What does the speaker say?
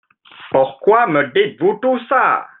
Pourquoi me dites-vous tout ça ?